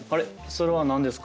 それは何ですか？